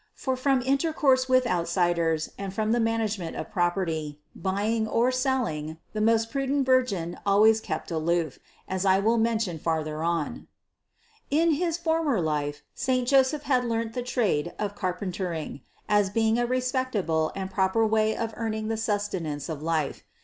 For from intercourse with out siders and from the management of property, buying or selling, the most prudent Virgin always kept aloof, as I will mention farther on (552, 553). 765. In his former life saint Joseph had learnt the trade of carpentering as being a respectable and proper way of earning the sustenance in life.